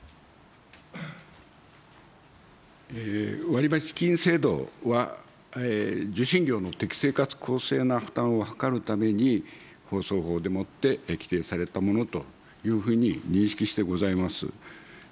割増金制度は、受信料の適正かつ公正な負担を図るために、放送法でもって規定されたものというふうに認識してございます。